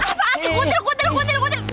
apaan sih kuntil kuntil kuntil